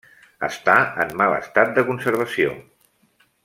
Està en mal estat de conservació.